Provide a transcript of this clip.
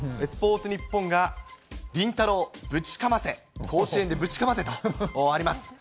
スポーツニッポンが麟太郎ぶちかませ、甲子園でぶちかませとあります。